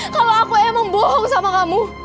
kalau aku emang bohong sama kamu